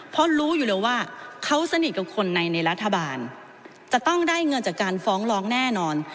เพราะรู้อยู่แล้วว่าเขาสนิทกับคนในในรัฐบาลจะต้องได้เงินจากการฟ้องร้องแน่นอน